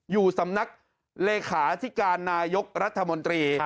อยู่สำนักเลขาธิการนายกรัฐมนตรี